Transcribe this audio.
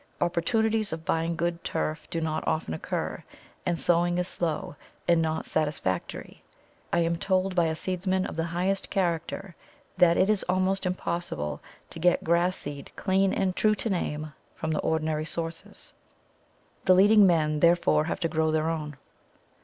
Opportunities of buying good turf do not often occur, and sowing is slow, and not satisfactory. I am told by a seedsman of the highest character that it is almost impossible to get grass seed clean and true to name from the ordinary sources; the leading men therefore have to grow their own.